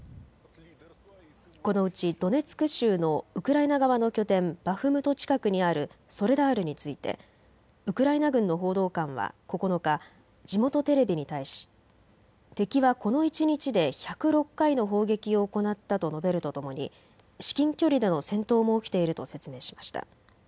このうちドネツク州のウクライナ側の拠点バフムト近くにあるソレダールについてウクライナ軍の報道官は９日、地元テレビに対し敵はこの一日で１０６回の砲撃を行ったと述べるとともに至近距離での戦闘も起きていると説明しました。